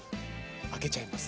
開けちゃいます。